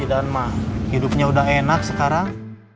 bos idan mah hidupnya udah enak sekarang